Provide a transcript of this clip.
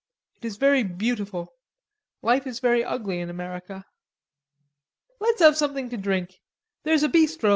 it is very beautiful. Life is very ugly in America." "Let's have something to drink. There's a bistro!"